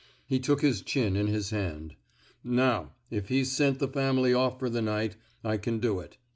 He took his chin in his hand. '* Now, if he's sent the family off for the night, I can doit.